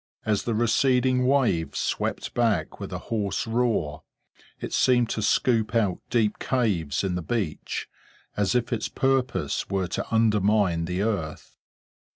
As the receding wave swept back with a hoarse roar, it seemed to scoop out deep caves in the beach, as if its purpose were to undermine the earth.